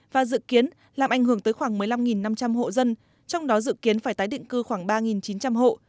và dự kiến làm ảnh hưởng tới khoảng một mươi năm năm trăm linh hộ dân trong đó dự kiến phải tái định cư khoảng ba chín trăm linh hộ